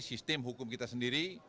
sistem hukum kita sendiri